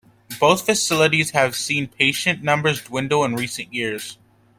Both facilities have seen patient numbers dwindle in recent years.